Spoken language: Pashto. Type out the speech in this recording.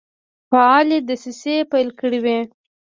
فعالي دسیسې پیل کړي وې.